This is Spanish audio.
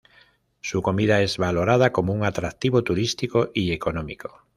Su comida es valorada como un atractivo turístico y económico.